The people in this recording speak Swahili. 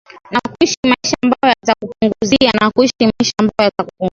na kuishi maisha ambayo yatakupunguzia